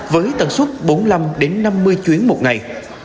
với tần suất bốn mươi năm năm mươi chuyến một ngày